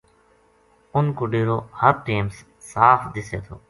اُنھ کو ڈیرو ہر ٹیم صاف دِسے تھو